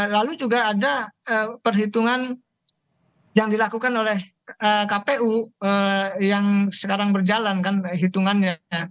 lalu juga ada perhitungan yang dilakukan oleh kpu yang sekarang berjalan kan hitungannya